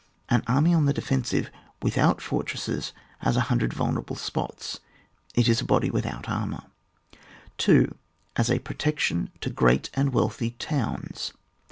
An army on the defensive without for tresses has a hundred vulnerable spots ; it is a body without armour. 2. As a protection to great and wealthy towns.